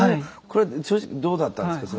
これ正直どうだったんですか？